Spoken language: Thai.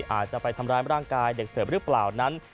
อาจจะไปทำร้ายร่างกายเด็กเสิร์ฟหรือเปล่านั้น